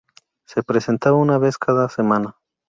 Se presentaba una vez cada semana.